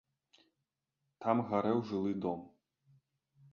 Там гарэў жылы дом.